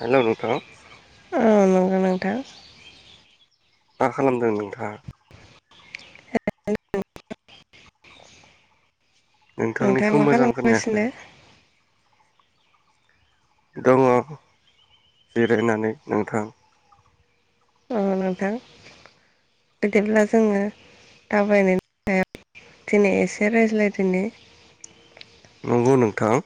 Hello नोंथां। औ नंगौ नोंथां । मा खालामदों नोंथा? नोंथाङा नोंथांनिखौ मा मोजां खोनायाखै खालामगासिनो? दङ' जिरायनानै नोंथां । अ नोंथां बिदिब्ला जोङो दावबायनायनि सायाव दिनै एसे रायज्लायदिनि। नंगौ नोंथां।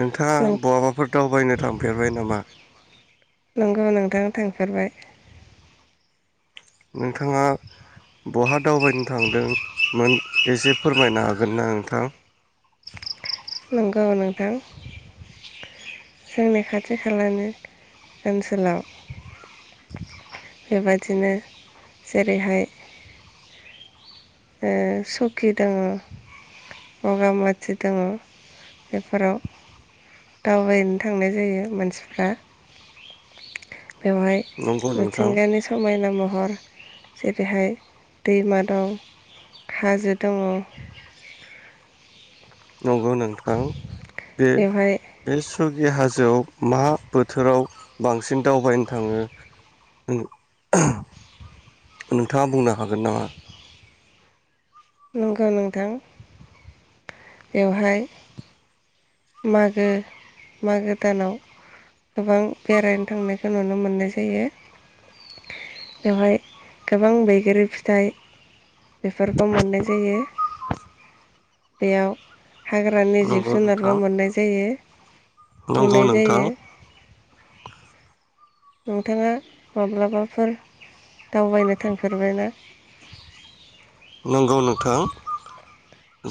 नोंथाङा बहाबाफोर दावबायनो थांफेरबाय नामा? नंगौ नोंथां थांफेरबाय नोंथाङा बहाद दावबायनो थांदोंमोन? एसे फोरमायनो हागोन ना नोंथां? नंगौ नोंथां जोंनि खाथि खालानि ओनसोलाव । [inaudible] बायदिनो जेरैहाय ओ सकि दों बगामाथि दों बेफोराव दावबायनो थांनाय जायो मानसिफ्रा । बेवहाय नंगौ नोंथां मिथिंगानि समायना म हर जेरै हाय दैमा दं । हाजो दङ । नंगौ नोंथां बे बेवहाय बेस सौकि हाजोआव मा बोथोराव बांसिन दावबायनो थाङो ओ ओहम नोंथाङा बुंनो हागोन नामा? नंगौ नोंथां बेवहाय मागो मागो दानाव गोबां बेरायनो थांनायखौ नुनो मोननाय जायो । बेवहाय गोबां बैग्रि फिथाइ बेफोरखौ मोननाय जायो। बेयाव हाग्रानि जिब नंगौ जुनाद बो नोंथां मोननाय जायो। नंगौ नुनाय जायो नोंथां। नोंथाङा माब्लाबाफोर दावबायनो थांफेरबायना? नंगौ नोंथां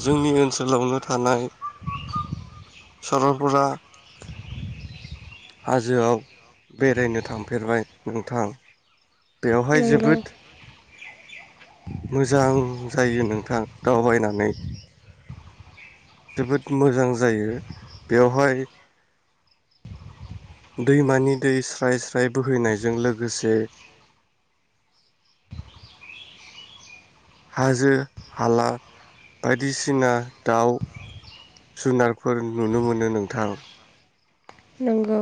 जोंनि ओनसोलावनो थानाय सरलपारा हाजोआव बेरायनो थांफेरबाय नोंथां। बेवहाय नंगौ जोबोद मोजां जायो नोंथां दावबायनानै जोबोद मोजां जायो। बेवहाय दैमानि दै स्राय स्राय बोहैनायजों लोगोसे हाजो हाला बायदिसिना दाउ जुनारफोर नुनो मोनो नोंथां। नंगौ।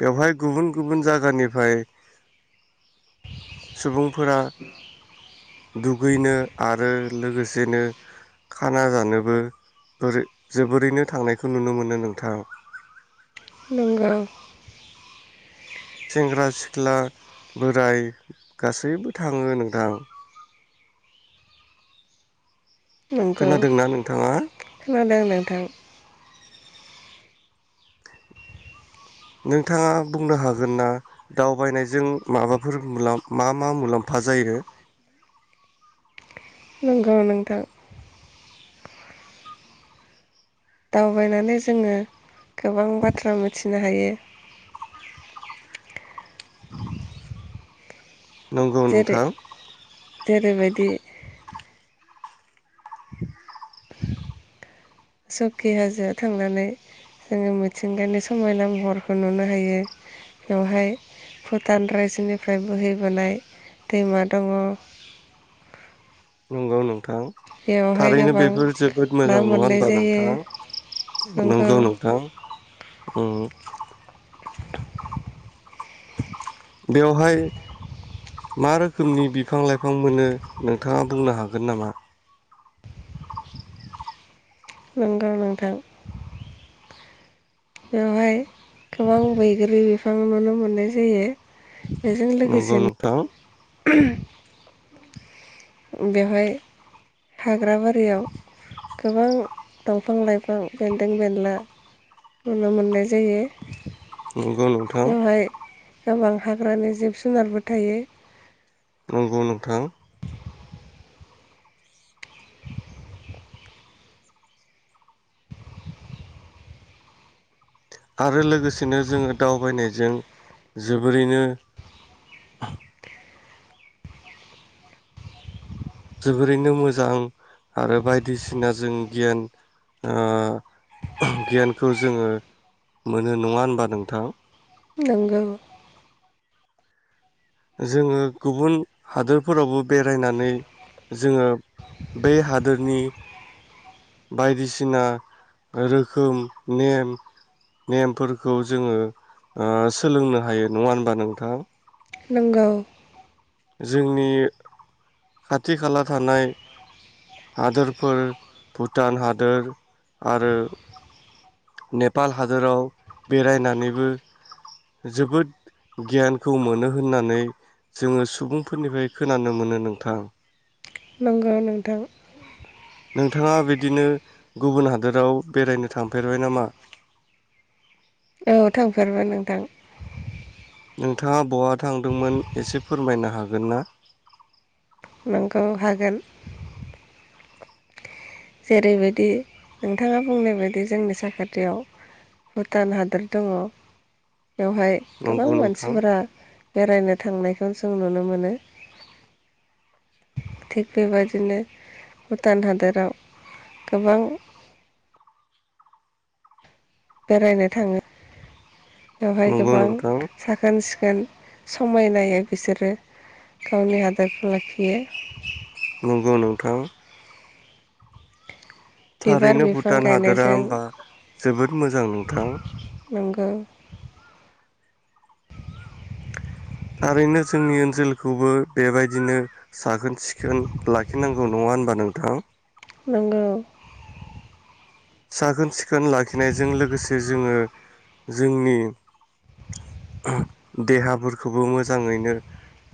बेवहाय गुबुन गुबुन जागानिफ्राय सुबुं फोरा दुगैनो आरो लोगोसेनो खाना जानोबो बोरै-जोबोरैनो थांनायखौ नुनो मोनो नोंथां। नंगौ। सेंग्रा सिख्ला बोराय गासैबो थाङो नोंथां । नंगौ खोनादोंना नोंथाङा! खोनादों नोंथां। नोंथाङा बुंनो हागोन ना दावबायनायजों माबाफोर मा मा मुलाम्फा जायो? नंगौ नोंथां। दावबायनानै जोङो गोबां बाथ्रा मिथिनो हायो। नंगौ जेरै नोंथां। जेरैबायदि। [unintelligible] सौकि हाजोआव थांनानै जोङो मिथिंगानि समायना महरखौ नुनो हायो बेवहाय भुटान रायजोनिफ्राय बोहैबोनाय दैमा दङ। नंगौ नोंथां। बेवहाय थारैनो गोबां बेफोर जोबोद मोजां ना नङा मोननाय होनबा जायो नोंथां नंगौ नोंथां उम बेवहाय मा रोखोमनि बिफां लाइफां मोनो नोंथाङा बुंनो हागोन नामा? [inaudible] नंगौ नोंथां। बेवहाय गोबां बैग्रि आं नुनो मोननाय जायो। बेजों नंगौ लोगोसेनो नोंथां। [unintelligible] बेवहाय हा ग्राबारियाव गोबां। दंफां लाइफां बेन्दों बेनला नुनो मोननाय। जायो नंगौ नोंथां बेवहाय। गोबां हाग्रानि जिब जुनारबो थायो। नंगौ नोंथां। आरो लोगोसेनो जोङो दावबायनायजों जोबोरैनो। जोबोरैनो मोजां आरो बायदिसिना जों गियान ओ गियानखौ जोङो मोनो नङा होनबा नोंथां? नोंगौ। जोङो गुबुन हादोरफोरावबो बेरायनानै जोङो बे हादोरनि बायदिसिना रोखोम नेम नेमफोरखौ जोङो ओ सोलोंनो हायो नङा होनबा नोंथां? नोंगौ। जोंनि खाथि खाला थानाय हादोरफोर भुटान हादोर आरो नेपाल हादोराव बेरायनानैबो जोबोद गियानखौ मोनो होननानै जोङो । सुबुंफोरनिफ्राय खोनानो मोनो नोंथां। नंगौ नोंथां। नोंथाङा बिदिनो गुबुन हादोराव बेरायनो थांफेरबाय नामा? औ थांफेरबाय नोंथां। नोंथाङा बहा थांदोंमोन एसे फोरमायनो हागोन ना? नंगौ हागोन। जेरैबायदि नोंथाङा बुंनाय बायदि जोंनि साखाथियाव भुटान हादर दङ। बेवहाय गोबां नंगौ नोंथां मानसिफोरा। बेरायनो थांनायखौ जों नुनो मोनो थिग बेबदिनो भुटान हादराव। गोबां। बेरायनो थाङो। बेवहाय नंगौ गोबां नोंथां साखोन सिख खोन समायनायै बिसोरो गावनि हादोरखौ लाखियो। नंगौ नोंथां। बिबार थारैनो बिफां भुटान हादोरा गायनायजों होनबा जोबोद मोजां नोंथां। नंगौ थारैनो जोंनि ओनसोलखौबो बेबायदिनो साखोन सिखोन लाखिनांगौ नङा होनबा नोंथां? नोंगौ। साखोन सिखोन लाखिनायजों लोगोसे जोङो जोंनि देहाफोरखौबो मोजाङैनो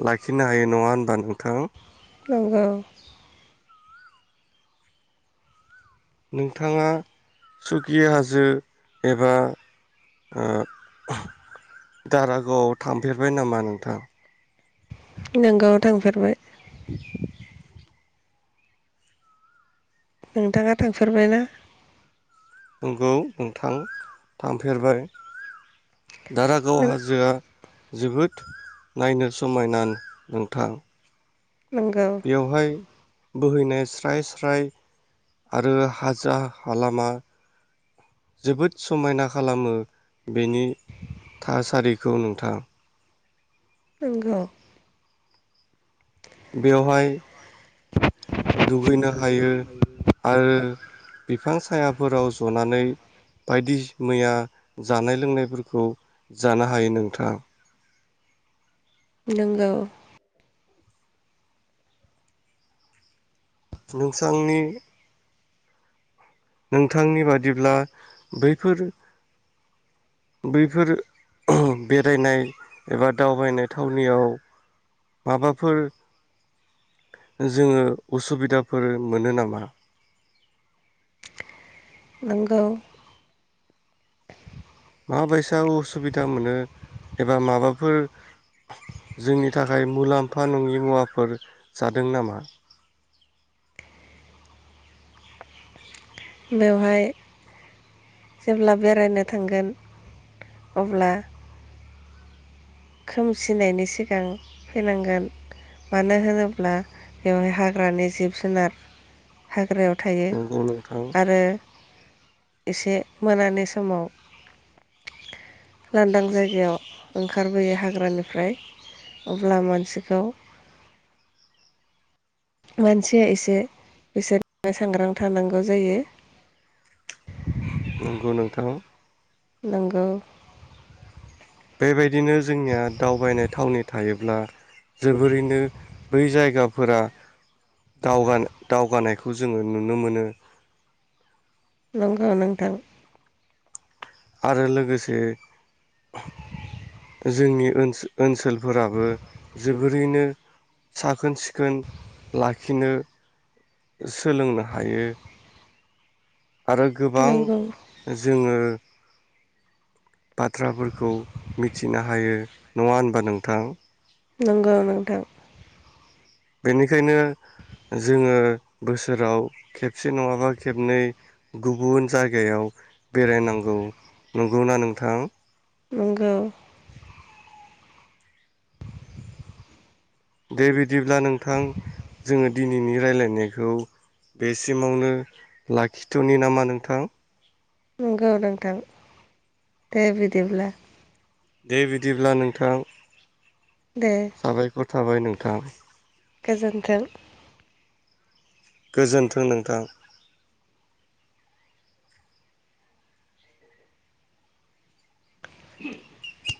लाखिनो हायो नङा होनबा नोंथां? नंगौ। नोंथाङा सुकि हाजो एबा ओ-दारागावआव थांफेरबाय नामा नोंथां? नोंगौ थांफेरबाय। [inaudible] नोंथाङा थांफेरबायना? नंगौ नोंथां थांफेरबाय। दारागाव नों हाजोआ जोबोद नायनो समायना नोंथां। नोंगौ बेवहाय बोहैनाय स्राय स्राय आरो हाजा हालामा जोबोद समायना खालामो बेनि थासारिखौ नोंथां नंगौ। बेवहाय दुगैनो हायो आरो बिफां सा सायाफोराव जनानै बायदि मैया जानाय लोंनायफोरखौ जानो हायो नोंथाङा। नोंगौ। नोंसांनि नोंथांनि बादिब्ला बैफोर बैफोर बेरायनाय एबा दावबायनाय थावनियाव माबाफोर जोङो उसुबिदाफोर मोनो नामा? नंगौ। माबायसा उसुबिदा मोनो एबा माबाफोर जोंनि थाखाय मुलाम्फा नङि मुवाफोर जादों नामा। बेवहाय जेब्ला बेरायनो थांगोन अब्ला खोमसिनायनि सिगां फैनांगोन मानो होनोब्ला बेवहाय हाग्रानि जिब जुनार हाग्रायाव थायो नंगौ नोंथां आरो एसे मोनानि समाव लांदां जायगायाव ओंखाम ओंखारबोयो हाग्रानिफ्राय अब्ला मानसिखौ मानसिया एसे बिसोर सांग्रां थानांगौ जायो। नंगौ नोंथां। नंगौ। बेबायदिनो जोंनिया दावबायनाय थावनि थायोब्ला जोबोरैनो बै जायगाफोरा दाव-दावगानायखौ जोङो नुनो मोनो। नंगौ नोंथां। आरो लोगोसे [inaudible] जोंनि ओनसोल ओनसोलफोराबो जोबोरैनो साखोन सिखोन लाखिनो सोलोंनो हायो। आरो गोबां नंगौ जोङो बाथ्राफोरखौ मिथिनो हायो। नङा होनबा नोंथां। नंगौ नोंथां। बेनिखायनो जोङो बोसोराव खेबसे नङाबा खेबनै गुबुन जायगायाव बेरायनांगौ नंगौना नोंथां। नंगौ। दे बिदिब्ला नोंथां जोङो दिनैनि रायलायनायखौ बेसिमावनो लाखिथ'नि नामा नोंथां? नंगौ नोंथां दे बिदिब्ला। दे बिदिब्ला नोंथां। दे साबायखर थाबाय नों थां। गोजोन्थों। गोजोन्थों नोंथां। [inaudible]